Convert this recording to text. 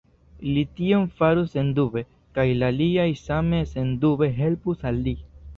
Li tion farus sendube, kaj la aliaj same sendube helpus al li.